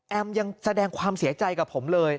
ยังแสดงความเสียใจกับผมเลย